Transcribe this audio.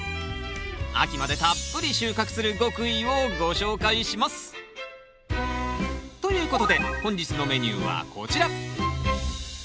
秋までたっぷり収穫する極意をご紹介します！ということで本日のメニューはこちら。